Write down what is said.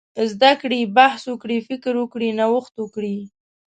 زده کړي، بحث وکړي، فکر وکړي، نوښت وکړي.